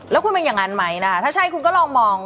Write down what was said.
แล้วคุณเป็นอย่างนั้นไหมนะคะถ้าใช่คุณก็ลองมอง